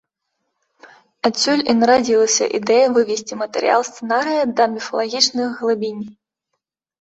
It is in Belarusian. Адсюль і нарадзілася ідэя вывесці матэрыял сцэнарыя да міфалагічных глыбінь.